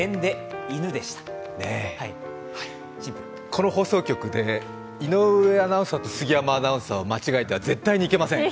この放送局で井上アナウンサーと杉山アナウンサーを間違えては絶対にいけません！